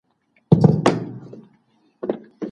ستونزو ته تل د یو ښه فرصت په سترګه وګورئ.